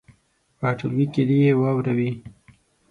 په ټولګي کې دې یې واوروي.